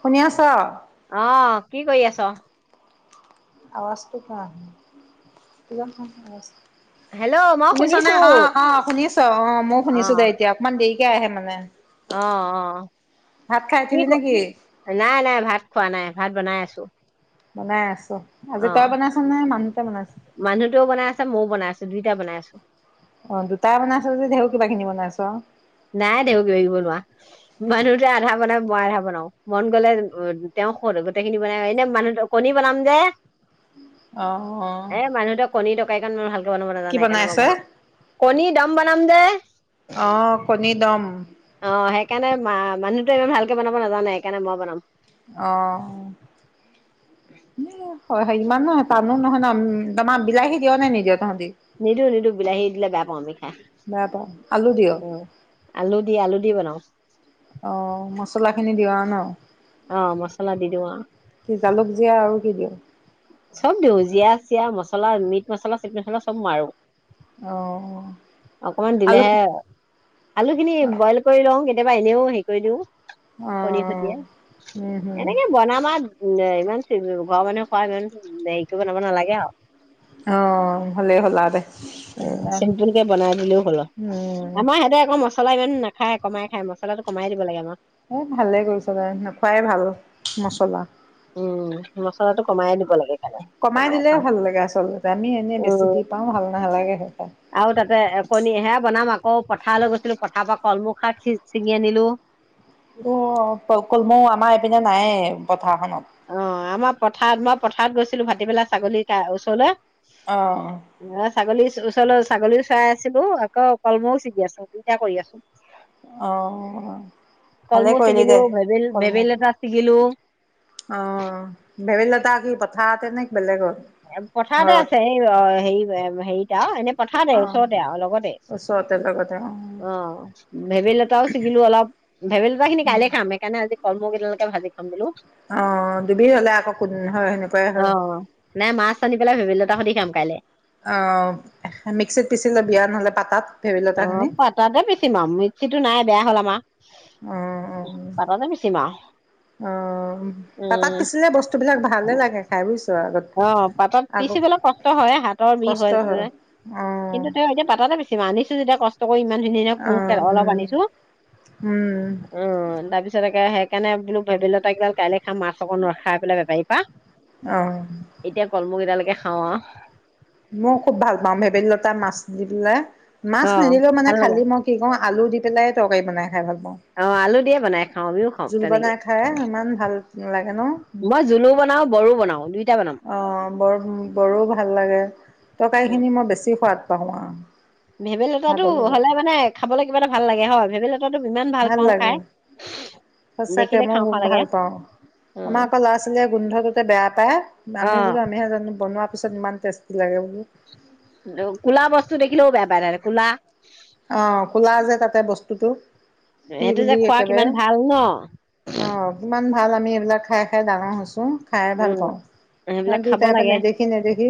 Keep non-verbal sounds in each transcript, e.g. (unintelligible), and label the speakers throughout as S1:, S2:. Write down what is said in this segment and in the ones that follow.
S1: শুনি আছ?
S2: অ', কি কৰি আছ?
S1: আৱাজটো কিয় আহা নাই
S2: হেল্ল'
S1: (unintelligible)
S2: মই শুনিছো
S1: শুনিছনে? অ' অ' শুনিছোঁ অ' মও শুনিছোঁ দে এতিয়া অকমান দেৰি কেতিয়া আহে মানে
S2: অ' অ'
S1: ভাত খাই
S2: কি
S1: উঠিলি
S2: ক
S1: নেকি?
S2: নাই, নাই ভাত খোৱা নাই। ভাত বনাই আছোঁ।
S1: বনাই আছোঁ। আজি তই বনাইছনে, মানুহটোৱে বনাইছে?
S2: মও বনাই আছোঁ দুইটাই বনাই আছোঁ।
S1: অ' দুটা বনাইছোঁ যদি ধেও কিবা কিনি বনাইছোঁ।
S2: নাই দে কিবা কিবি বনোৱা, মানুহটোৱে আধা বনাই, মই আধা বনাও, মন গ'লে তেওঁ গোটেই খিনি বনাই এনে মানুহ কণী বনাম যে
S1: অহ'অহ'
S2: গাড়ীখন মোৰ ভাল তই নবনাও (unintelligible) কিনি কণী ডম বনাম যে
S1: অ', কণী ডম
S2: অ সেইকাৰণে মা মানুহটোৱে ইমান ভালকে বনাব নাজানে সেইকাৰণে মই বনাম।
S1: অ' হয়, ইমানো টানো নহয় ন তোমাৰ বিলাহী দিয় নে নিদিয়। তহঁতি?
S2: নিদো নিদো বিলাহী দিলে বেয়া পাওঁ আমি খাই
S1: বেয়া পাওঁ। আলু দিয়?
S2: অ' আলু দি আলু দি বনাও।
S1: অ' মচলা খিনি দিবা ন?
S2: অ মছলা দি দিওঁ আৰু
S1: কি জালুক জীৰা, আৰু কি দিম?
S2: চব দিওঁ জীয়া চিৰা মছলা মিট মছলা চিট মছলা চব মাৰো।
S1: অ'।
S2: অকমান
S1: আলু
S2: দিলেহে আলু খিনি
S1: অ',
S2: বইল কৰি লওঁ কেতিয়াবা বা এনেও হেৰি কৰিলও। কণী ভুজিয়া
S1: উম, হম,
S2: এনেকে বনাম আৰু উ ইমান ঘৰৰ মানুহে খোৱা ইমান হেৰি কৰিব নাব নালাগে আৰু
S1: অ হলে হলা দে
S2: চিম্পুল কে বনাই দিলও হল
S1: উম,
S2: আমাৰ সিহতে একক ম মছলা ইমান নাখায় কমাই খাই মছাটো কমাই দিব লাগেমাৰ
S1: এ ভালে কৰিছ তাই নোখুৱাই ভাল মচলা
S2: উম মচলাটো কমাইে দিব লাগে। খালে
S1: কমাই দিলে
S2: খাওঁ
S1: ভাল লাগে আচলতে আমি এনে বেছি
S2: উম
S1: দি পাও ভাল নালাগে সেই
S2: আৰু তাতে কণীহে বনাম আকৌ পথাৰলৈ গৈছিলো পথাৰৰ পৰা কলমৌ, ছিঙি আনিলো।
S1: কলমৌ আমাৰ এইপিনে নাই।
S2: অ',
S1: ঘৰখনত
S2: আমাৰ পথাৰত মই পথাৰত গৈছিলো ভাটিপেলাই ছাগলীৰ ওচৰলৈ
S1: আহ অ
S2: এ ছাগলী ওচৰ ছাগলী চাই আছিলো আকৌ কলমৌও ছিগি আছো দুইটা কৰি আছো
S1: অ', ভালে
S2: কলমৌ
S1: কৰিলি
S2: শিকিলো
S1: দে
S2: ভেবেই
S1: কলমৌ।
S2: ভেবেইলতা শিকিলো।
S1: অ ভেবললতা কি পথাৰ। তেনেক বেলেগত
S2: পথাৰতে
S1: ঘৰত?
S2: আছে এই হেৰি হেৰিত আৰু এনে পথাৰতে
S1: অ',
S2: ওচৰতে আৰু লগতে
S1: ওচৰতে লগতে
S2: অ ভেবেলী লতাও ছিগিলো অলপ ভেবেলীতা খিনি কাইলে
S1: উম।
S2: খাম সেইকাৰণে আজি কলমৌ কেইডালকে ভাজি খাম বোলো
S1: অ দুবিধ হলে আকৌ কোন হয় সেনেকুৱাই হয়।
S2: নে মাছ আনি পেলাই ভেবেলীলতা সতি খাম কাইলৈ
S1: অ মিক্সিত পিচি লবি আৰু নহলে পাতাত
S2: অ
S1: ভেবেলতাখিনি।
S2: পাতাতে পিচিম আৰু মিক্সিটো নাই বেয়া হ'ল আমাৰ পাতাতে পিচিম আৰু
S1: (unintelligible) পাতাত
S2: উম
S1: পিচিলে বস্তুবিলাক ভালহে লাগে খাই বুইছ
S2: অ পাতাত পিচিবলৈ কষ্ট হয় হাতৰ বিষ
S1: কষ্ট
S2: হৈ আছে
S1: হয়
S2: যে
S1: অ'
S2: কিন্তু তেওঁ এতিয়া পাতাতে পিচিম আনিছ তিয়া কষ্ট ইমান ধুনীয়া
S1: অ'
S2: ধুনীয়া অলপ আনিছো
S1: উম উম
S2: অ তাৰপিছত একে সেইকাৰণে বো ভেবেলীলতা কেইডাল কাইলৈ মাছ অকন ৰখাই পেলাই বেপাৰী পা
S1: অ
S2: এতিয়া কল্মৌ কেইডালকে খাও আ।
S1: মই খুব ভাল পাওঁ ভেবেলী লতা মাছ দি পেলাই। মাছ
S2: অ
S1: নিদিলেও মানে
S2: ভাল লাগে
S1: খালি মই কি কৰো আলু দি। (unintelligible) তৰকাৰী বনাই। খাই ভাল পাওঁ।
S2: অ আলু দিয়ে বনাই খাওঁ আমিও। খাওঁ
S1: জোল
S2: তেনেকে
S1: বনাই খাই ইমান ভাল লাগে ন?
S2: (unintelligible) বৰো বনাও দুই
S1: অ বৰ বৰো ভাল লাগে, তৰকাৰী
S2: উম
S1: খিনি মই বেছি শুৱাদ। পাওঁ আ।
S2: ভেবেলী লতাটো হ'লে মানে খাবলৈ কিবা এটা ভাল লাগে হয়? ভেবেলীলত।
S1: ভাল লাগে সচাকে
S2: দেখিলে
S1: মই
S2: খাওঁ খাওঁ লাগে
S1: ভাল পাওঁ।
S2: অ
S1: আমাৰ আকৌ ল'ৰা ছোৱালীয়ে গোন্ধটোতে বেয়া পায়,
S2: অ
S1: আমি বোলো আমিহে জানো বনোৱা। পিছত ইমান টেষ্টি লাগে বোলো।
S2: কোলা বস্তু দেখিলেও বেয়া। পায় তাহাঁতে ক'লা
S1: অ কোলা যে তাতে বস্তুটো (unintelligible)
S2: সেইটো যে
S1: বুলি
S2: খোৱা কিমান
S1: একেবাৰে
S2: ভাল ন
S1: অ কিমান। ভাল আমি এইবিলাক খাই খাই ডাঙৰ হৈছোঁ। খাই ভাল
S2: উম
S1: পাওঁ।
S2: সেইবিলাক
S1: সিহঁতি
S2: খাব
S1: তাৰ পৰা
S2: লাগে
S1: নেদেখি নেদেখি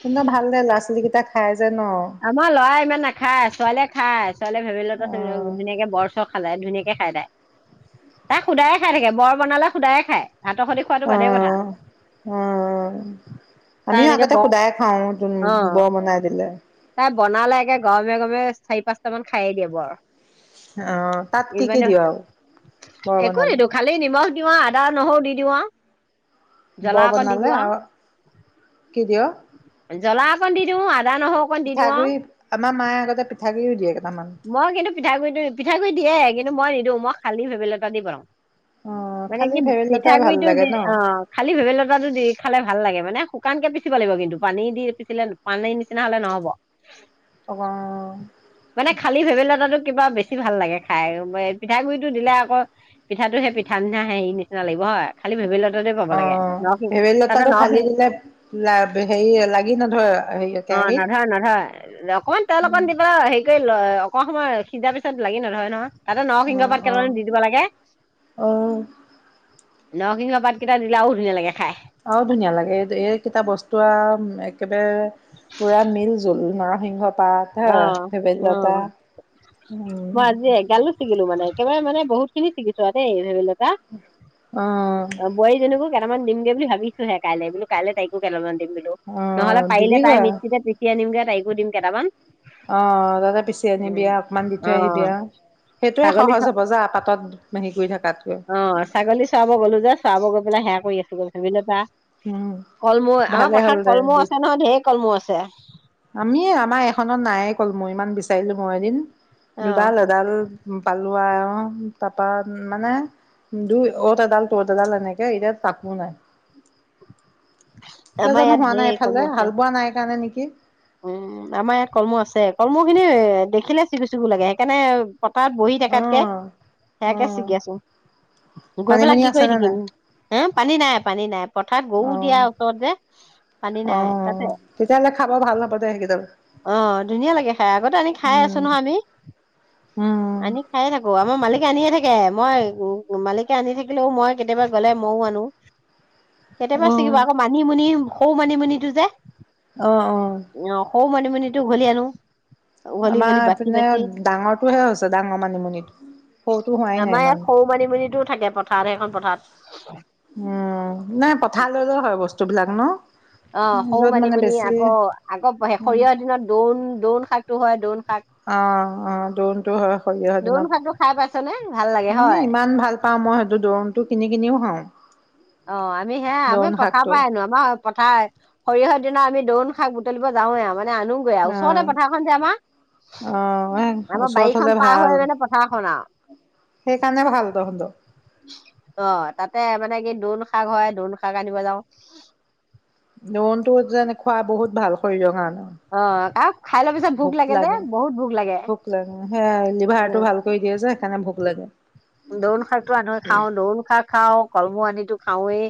S1: তহঁতৰ ভাল দে ল'ৰা ছোৱালীকেইটা। খাই যে ন অ',
S2: আমাৰ লৰা ইমান নে। খায় ছোৱালীয়ে খায়। ছোৱালীয়ে ভেবেলীলতা চেবেলীলতা ধুনীয়াকে বৰ চৰ (unintelligible) ধুনীয়াকে খাই তাই ভাতৰ সৈতে খোৱাটো
S1: অ
S2: বাদেই কথা
S1: অ
S2: তাই
S1: আমিও
S2: এনেকে
S1: আগতে
S2: বৰ
S1: সোদাই খাওঁ,
S2: অ
S1: বৰ বনাই দিলে
S2: তাই বনালে একে গৰমে গৰমে চাৰি পাঁচটা মান খায়েই দিয়ে বৰ
S1: আহ তাত কি কি
S2: ইমানে
S1: দিও আৰু বৰ বনালে? -
S2: অ আদা নহৰু দি দিওৱা জ্বলা
S1: বৰ
S2: অকণ দি
S1: বনালে
S2: দিওঁ আও।
S1: আৰু কি দিয়
S2: জ্বলা অকণ দি দিওঁ (unintelligible) আৰু
S1: পিঠাগুৰি আমা মায়ে আগতে পিঠাগুড়ি দিয়ে কেইটামান
S2: মই কিন্তু পিঠাগু়টো পিঠাগু়ৰি দিয়ে কিন্তু মই নিদিওঁ মই। খালি ভেবেলি লতা দি বনাও
S1: অ
S2: মানে
S1: খালি
S2: কি
S1: ভেবেলিলতাই ভাল
S2: পিঠাগুৰিটো
S1: লাগে
S2: দি
S1: ন
S2: অ খালী ভেৱেলি লতাটো দি খালে ভাল লাগে মানে শুকানকে পিচিব লাগিব কিন্তু পানী দি পিচিলে পানীৰ নিচিনা হলে নহব।
S1: অ।
S2: মানে খালী ভেৱেলি লতাটো কিবা বেছি ভাল লাগে খাই ও ৱে পিঠাগুৰিটো দিলে আকৌ পিঠাটো সে পিঠা নিচিনা হেৰি নে না লাগিব হয় খালি ভেবেলতাটোৱে পাব
S1: অ
S2: লাগে নৰসিং
S1: ভেবেলী
S2: তাতে
S1: লতাটো খালি
S2: নৰসিং
S1: দিলে হেৰি লাগি নধৰে হেৰি
S2: অ
S1: কেৰাহীত
S2: নধই নধই অকমান তেল অকমান দিব হেৰি কৰি অকমান সময় সিজা পিছত লাগি নধৰে নহয় তাতে
S1: অ
S2: নসিংহ পাত
S1: অ
S2: কেতামান দি দিব লাগে
S1: অ
S2: নৰসিংহৰ পাত কেইটা দিলে আও ধুনীয়া লাগে খাই
S1: আও ধুনীয়া লাগে এই এইকেইটা বস্তু আও একেবাৰে পুৰা মিল জোল না মেংগ পাত সে
S2: অ
S1: ভেবেলি লতা
S2: অ
S1: উম
S2: মই আজি এগালো ছিগিলো মানে একেবাৰে মানে বহুত চিগিছো আও দেই হে সেইবিলাক কা
S1: অ',
S2: বোৱাৰীজনিকো কেটামান দিমগে বুলি ভাবিছোঁ হে কাইলে বুলো কাইলে তাইকো কেটামান দিম নহলে
S1: অ',
S2: পাৰিলে তাই
S1: দিবিগৈ
S2: মিক্সিতে পিচি আনিমগে তাই কো দিম কেইটামান
S1: অ তাতে পিচি আনিবি
S2: উম,
S1: আ অকমান দি
S2: অ
S1: থৈ আহিবি আ সেইটোয়ে
S2: ছাগলী
S1: সহজ হব যা পাতত কৰি থাক
S2: অ ছাগলী চোৱাব গ'লো যে চোৱাব গৈ পেলাই সেয়া কৰি আছো
S1: উম।
S2: (unintelligible) কলমৌ আমাৰ
S1: ভালে হ'ল
S2: পথাৰত কলমৌ আছে নহয় ঢেৰ কলমৌ আছে
S1: আমিয়ে আমাৰ এখনত নায়ে কলমৌ ইমান বিচাৰিলো মই এদিন
S2: অ
S1: দুডাল এডাল পালো লোৱাই অ তাৰপা মানে দুই অত এডাল ত'ত এডাল এনেকে এতিয়া তাকো নাই। কিয়
S2: আমাৰ
S1: জানো
S2: ইয়াত
S1: হোৱা নাই
S2: ঢেৰ
S1: এইফালে
S2: কলমৌ আছে
S1: হাল বোৱা নাই কাৰণে নেকি কি
S2: উম আমাৰ ইয়াত কলমৌ আছে কলমৌ খিনি দেখিলে চিঙু চিঙু লাগে সেইকাৰণে পতাত বহি থেকাতকে
S1: অ'।
S2: সেয়াকে
S1: অ',
S2: ছিগি আছোং গৈ পেলাই
S1: মানিমুনি
S2: কি কৰি
S1: আছেনে নাই?
S2: থাকিম হে পানী নাই পানী নাই পথাৰত গৰু
S1: অ'।
S2: দিয়া ওচৰত যে পানী নাই তাতে
S1: (unintelligible) তাব
S2: অ ধুনীয়া লাগে খাই আগতে আনি খাই আছো
S1: উম
S2: নহয় আমি।
S1: উম
S2: আনি খায়ে থাকো আমাৰ মালিক আনিয়ে থাকে আও। মই মালিকে আনি থাকিলেও মই কেতিয়াবা গলে মইও আনো কেতিয়াবা
S1: অ
S2: চিকিব, আকৌ মানি মুুনি খৌ মানিমুনিটো যে,
S1: আহ আহ
S2: অ সৰু মানিমুনিটো উঘলি আনো। উঘলি উঘলি বাচি
S1: আমাৰপিনে
S2: বাচি
S1: ডাঙৰটোহে হৈছে, ডাঙৰ মানিমুনিটো। সৰুটো হোৱাই নাই
S2: আমাৰ ইয়াত
S1: ইমান।
S2: সৰু মানিমুনিটো থাকে পথাৰ সেইখন পথাৰত।
S1: উম নাই পথাৰ লৈ লৈ হয় বস্তুবিলাক ন?
S2: অ সৰু
S1: য'ত মানে
S2: মানিমুনি
S1: বেছি
S2: আকৌ আকৌ সৰিয়হৰ দিনত দৌন, দৌন শাক টো হয়, দৌন শাক
S1: অ অ দ্ৰোণটো হয় সৰিয়হৰ
S2: দৌন
S1: দিনত,
S2: শাকটো খাই পাইছ নে ভাল লাগে হয়
S1: ইমান ভাল পাও মই সেইটো দোৰোণতটো। কিনি কিনিও খাওঁ।
S2: অ আমি হে আমি
S1: দোৰোণ
S2: পথাৰ
S1: শাকটো
S2: পৰাই আনো আমাৰ, পথাই সৰিয়হৰ দিনা আমি দৌণ শাক বুটলিব যাওঁৱে। আমাৰ আনুগৈ
S1: অ
S2: ওচৰতে পথাৰখন যে আমাৰ।
S1: অ
S2: আমাৰ
S1: ওচৰত
S2: বাৰীখন
S1: হলে
S2: পাৰ
S1: ভাল
S2: হৈ মানে পথাৰখন আও।
S1: সেইকাৰণে ভাল তহঁতৰ
S2: অ তাতে মানে দ্ৰোন শাক হয়, দ্ৰোন শাক আনিব যাওঁ।
S1: দোনতটো যেন খোৱা বহুত ভাল শৰীৰৰ কাৰণে।
S2: অ আও খাই লৈ পিছত ভোক লাগে যে, বহুত ভোক লাগে।
S1: লাগে সেয়া লিভাৰটো
S2: উম,
S1: ভাল কৰি দিয়ে যে সেইকাৰণে ভোক লাগে
S2: দ্ৰোণ শাকটো আনোয়ে খাওঁ, দ্ৰোণ শাক খাওঁ, কলমৌ আনিটো- খাওঁৱে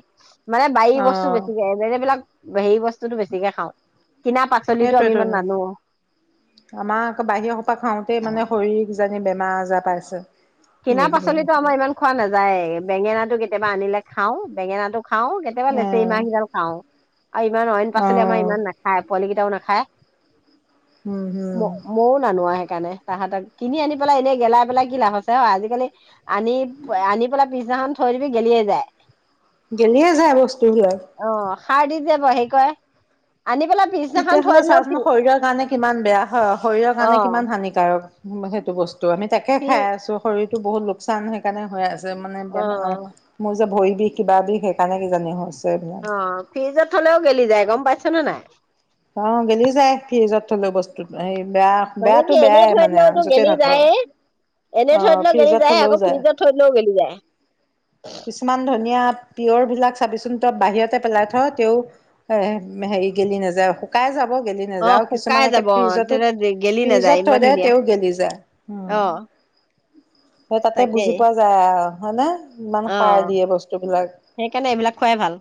S2: মানে বায়ী বস্তু বেছিকে, জেগা বিলাক ভেই বস্ত আমি
S1: সেইটোৱেটো।
S2: ইমান নানো
S1: আমাৰ আকৌ বাহিৰৰ সোপা খাওঁতেই মানে শৰীৰ যায় বেমাৰ আজাৰ পাইছে।
S2: কিনা
S1: কিনি কিনি
S2: পাচলিতো
S1: অ
S2: আমাৰ ইমান খোৱা নাযায়েই, বেঙেনাটো কেতিয়াবা আনিলে খাওঁ বেঙেনাটো খাওঁ। কেতিয়াবা লেচেৰীমাহ কিডাল খাওঁ। আৰু ইমান অইন
S1: অ
S2: পাচলি আমাৰ ইমান নাখায় পোৱালি কি টাও নাখাই।
S1: উম হম
S2: ম-ময়ো নানো হেই সেইকাৰণে তাহাতক কিনি আনি পেলাই এনেই গেলাই কি লাভ আজিকালি আনি-আনি পেলাই পিছদিনাখন থৈ দিবি গেলিয়ে যায়।
S1: গেলিয়ে যায়, বস্তুবিলাক।
S2: অ সাৰ দি যে, বে হেৰি কৰে।
S1: তেতিয়াহ'লে চাচোন শৰীৰৰ কাৰণে কিমান বেয়া হয়, শৰীৰৰ
S2: অ
S1: কাৰণে কিমান হানিকাৰক। উম সেইটো বস্তু ত' আমি তাকে
S2: ফি
S1: খাই আছো, শৰীৰ ত বহুত লোকচান সেইকাৰণে হৈ আছে যে মানে
S2: অ
S1: বেমাৰ বেমাৰৰ মই যে ভৰি বিষ কিবা বিষ সেইকাৰণে কিজানি হৈছে এইবিলাক।
S2: অ' ফ্ৰিজত থ'লেও গেলি যায় গম পাইছ নে নাই।
S1: অ গেলি যায় ফ্ৰিজত থ'লেও বস্তুত হেয়ি
S2: মানে কি এনেই থৈ দিলেওতো গেলি
S1: নথওঁ।
S2: যায়ে। এনে
S1: অ
S2: থৈ দিলেও গেলি
S1: ফ্ৰিজত
S2: যায়
S1: থলেও
S2: আকৌ ফ্ৰিজত থৈ দিলেও গেলি যায়। হুম
S1: কিছুমান ধনীয়াত পিয়ৰ বিলাক চাবিচোন তই বাহিৰত তে পেলাই থ তেওঁ হে হেৰি গেলি নাযায়, শুকাই যাব গেলি
S2: অ
S1: নাযায় আৰু
S2: শুকাই
S1: কিছুমান‌ একে
S2: যাব অ
S1: ফ্ৰিজতো,
S2: তেতিয়া দে- গেলি নাযায়
S1: ফ্ৰিজত
S2: ইমান
S1: থৈ দে
S2: ধুনীয়া
S1: তেয়ো গেলি যায়,
S2: অ
S1: উম। সেই তাতে বুজি
S2: তাকেই
S1: পোৱা যায় আও হয়নে? ইমান
S2: অ,
S1: সাৰ দিয়ে বস্তুবিলাক
S2: সেইকাৰণে এইবিলাক খোৱাই ভাল।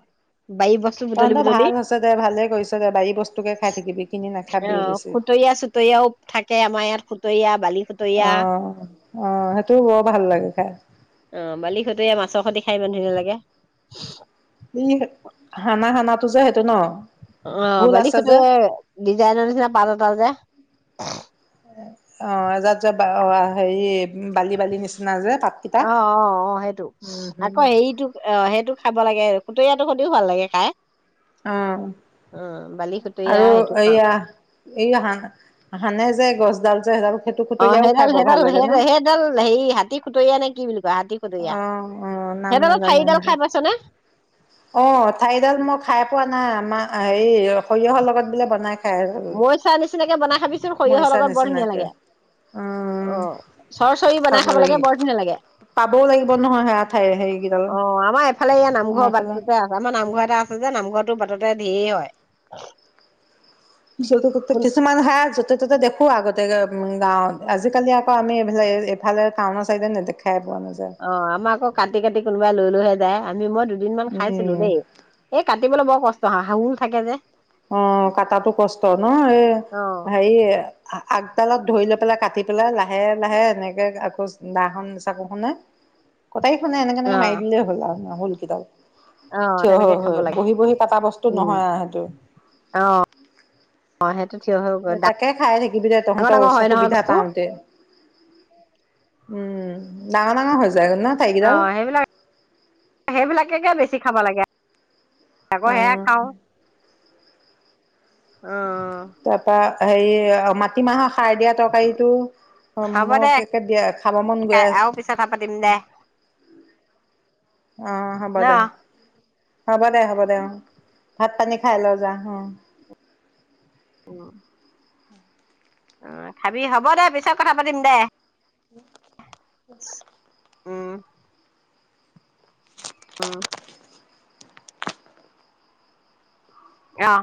S2: বাৰী বস্তু বুটলি
S1: তহঁতৰ
S2: বুটলি
S1: ভাল হৈছে দে ভালে কৰিছ দে বাৰী বস্তুকে খাই থাকিবি কিনি
S2: অ
S1: নাখাবিয়ে বেছি
S2: খুতৰীয়া চুতৰীয়াও থাকে আমাৰ ইয়াত খুতৰীয়া বালি খুতৰীয়া
S1: অ অ সেইটোও বৰ ভাল লাগে খাই। হয়
S2: অ, বালিহতে মাছৰ সৈতে খাই ইমান ধুনীয়া লাগে।
S1: ই, হানা, হানাটো যে সেইটো ন।
S2: অ,
S1: ভোল
S2: বালি
S1: আছে যে
S2: সুটোৱে ডিজাইনৰ নিচিনা পাত এটা যে। (unintelligible)
S1: অ, এযাত যে অ হেৰি বালি, বালি নিচিনা যে পাতকেইটা
S2: অ অ অ সেইটো
S1: উম হম।
S2: আকৌ হেৰিটো অ সেইটো খাব লাগে। খুতীয়াটো সদিও ভাল লাগে খাই।
S1: অ,
S2: অ বালি খুতৰীয়া
S1: আৰু
S2: সেইটো খাওঁ
S1: এয়া এইয়া হান হানে যে গছ। জাল চাই জাল
S2: অ সেইডাল সেইডাল সেই সেইডাল হেৰি হাতী খুতৰীয়া নে কি বুলি কোৱা হাতী খু
S1: অ', অ', নাম নাজানে,
S2: খাই পাইছ নে
S1: (inaudible) অ, থাইডাল মই খাই পোৱা নাই। আমাৰ এই সৰিয়হৰ লগত বোলে বনাই
S2: মই চাই নিচিনাকে বনাই খাবি
S1: মইচা নিচিনাকে
S2: অ
S1: উম,
S2: চৰচৰি বনাই
S1: খাব লাগে,
S2: বৰ ধুনীয়া লাগে
S1: পাবও লাগিব নহয় সেয়া ঠাইত হে হেৰি
S2: অ, আমাৰ এইফালে এয়া নামঘৰ বাটটোতে আছে, আমাৰ নামঘৰ এটা আছে যে নামঘৰত টো বাটতে ধেৰ হয়।
S1: (unintelligible)
S2: কোন
S1: কিছুমান হা যতে, ত'তে দেখো আগতে উম গাঁৱত, আজিকালি আকৌ আমি এইবিলাক এইফালে টাউনৰ চাইডে নেদেখে
S2: অ, আমাৰ আকৌ কাটি-কাটি কোনো লৈ লৈ হে যায় আমি মই দুদিন মান খাইছিলো
S1: উম
S2: দেই, এই কাটিবলৈ বৰ কষ্ট হয়, শাওন থাকে যে।
S1: অ, কাটাটো কষ্ট ন? এই
S2: অ
S1: হেৰি আ আগ কদালত ধৰি লৈ পেলাই কাটি পেলাই লাহে-লাহে এনেকে আকৌ দাখন চাকুখনত কটাৰিখনে
S2: অ
S1: এনেকে-এনেকে মাৰি দিলেই হ'ল আৰু। (unintelligible)
S2: অ
S1: থিয় হৈ,
S2: তেনেকে খাব
S1: হৈ,
S2: লাগে
S1: বহি-বহি কটা বস্তু নহয় আৰু সেইটো।
S2: অ', অ', সেই
S1: তাকে খাই থাকিবি দে, তহঁতৰ
S2: ডাঙৰ
S1: ওচৰ
S2: হয় নহয়
S1: সুবিধা
S2: বস্তু
S1: পাওতে। উম, ডাঙৰ-ডাঙৰ হৈ যায় ন
S2: অ
S1: ঠাৰিকেইডাল
S2: সেইবিলাক সেইবিলাকেকে বেছি খাব লাগে আকৌ সেয়া
S1: অ
S2: খাওঁ অ'
S1: তাৰপৰা হেৰি মাটিমাহ খাৰ দিয়া তৰকাৰীটো,
S2: হ'ব দে
S1: মোক একে বিৰাট খাব মন গৈ
S2: খাই আৰু পিছত কথা পাতিম দে
S1: আছে, অ' হ'ব
S2: ন?
S1: দে। হ'ব দে হ'ব দে অ, ভাত পানী খাই লও যা অ
S2: উম অ খাবি, হ'ব দে পিছত কথা পাতিম দে।
S1: (inaudible)
S2: উম উম আহ